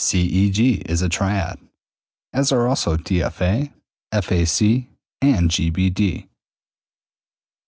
C E G is a triad, as are also D F A, F A C, and G B D.